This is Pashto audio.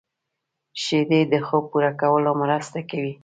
شیدې د خوب پوره کولو مرسته کوي